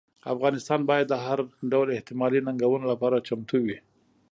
افغانستان باید د هر ډول احتمالي ننګونو لپاره چمتو وي.